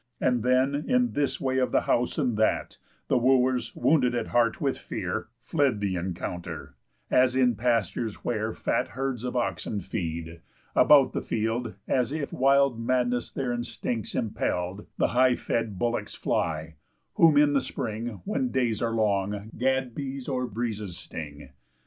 And then, in this way of the house and that, The Wooers, wounded at the heart with fear, Fled the encounter; as in pastures where Fat herds of oxen feed, about the field (As if wild madness their instincts impell'd) The high fed bullocks fly, whom in the spring, When days are long, gad bees or breezes sting.